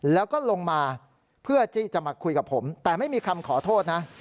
แล้วก็ลงมาเพื่อที่จะมาคุยกับผมแต่ไม่มีคำขอโทษนะ